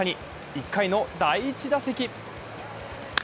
１回の第１打席。